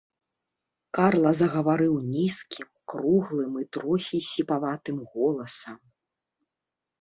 Карла загаварыў нізкім, круглым і трохі сіпаватым голасам.